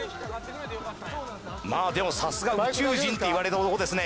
まあでもさすが宇宙人っていわれる男ですね